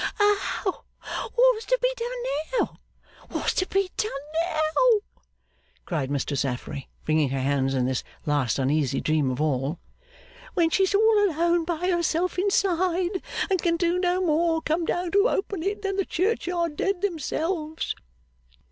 'What's to be done now, what's to be done now!' cried Mistress Affery, wringing her hands in this last uneasy dream of all; 'when she's all alone by herself inside, and can no more come down to open it than the churchyard dead themselves!